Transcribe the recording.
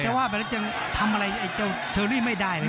ว่าไปแล้วจะทำอะไรไอ้เจ้าเชอรี่ไม่ได้เลย